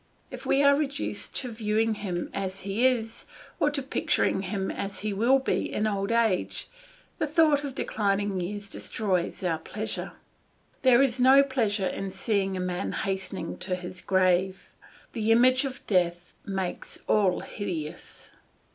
If we are reduced to viewing him as he is, or to picturing him as he will be in old age, the thought of declining years destroys all our pleasure. There is no pleasure in seeing a man hastening to his grave; the image of death makes all hideous.